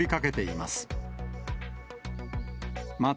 また、